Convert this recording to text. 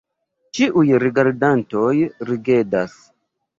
Ĉiuj rigardantoj ridegas.